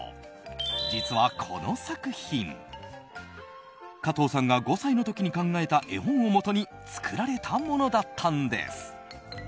実は、この作品加藤さんが５歳の時に考えた絵本をもとに作られたものだったんです。